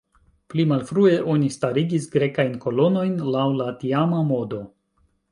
Pli malfrue, oni starigis grekajn kolonojn laŭ la tiama modo.